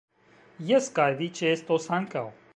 Jes, kaj vi ĉeestos ankaŭ